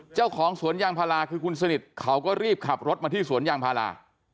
เจ้าของสวนยางพาราคือคุณสนิทเขาก็รีบขับรถมาที่สวนยางพารา